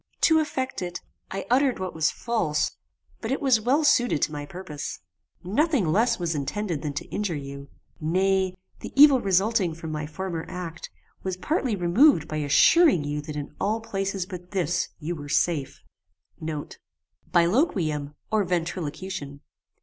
To effect it, I uttered what was false, but it was well suited to my purpose. Nothing less was intended than to injure you. Nay, the evil resulting from my former act, was partly removed by assuring you that in all places but this you were safe. * BILOQUIUM, or ventrilocution.